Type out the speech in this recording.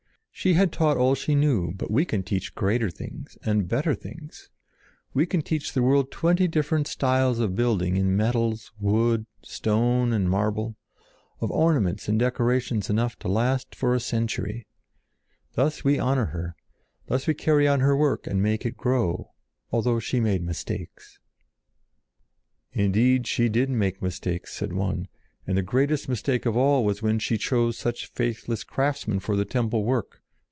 She had taught all she knew, but we can teach greater things, and better things; we can teach the world twenty different styles of building in metals, wood, stone, and marble; of ornaments and decorations enough to last for a century. Thus we honor her; thus we carry on her work and make it grow—although she made mistakes." "Indeed she did make mistakes," said one, "and the greatest mistake of all was when she chose such faithless craftsmen for the temple work.